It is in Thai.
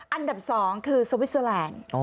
อันดับสองคือสวิสเซอแลนด์